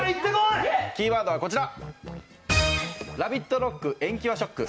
キーワードはこちら。